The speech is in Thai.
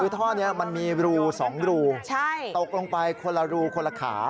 ท่อเนี่ยมันมีรูสองรูใช่ตกลงไปคนละรูคนาขา